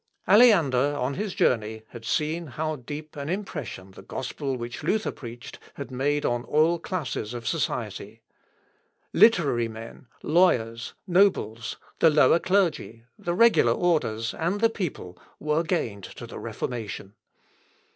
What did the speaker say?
Aleander on his journey had seen how deep an impression the gospel which Luther preached had made on all classes of society. Literary men, lawyers, nobles, the lower clergy, the regular orders, and the people, were gained to the Reformation.